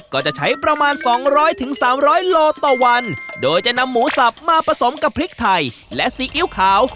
ก็จะใช้ประมาณ๒๐๐๓๐๐โลต่อวันโดยจะนำหมูสับมาผสมกับพริกไทยและซีอิ๊วขาว